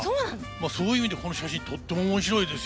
そういう意味でこの写真とっても面白いですよ。